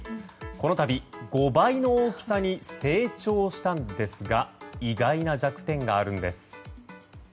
この度、５倍の大きさに成長したんですが意外な弱点があるんです。